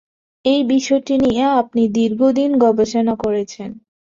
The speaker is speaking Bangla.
এই বিষয়টি নিয়ে আপনি দীর্ঘদিন গবেষণা করছেন।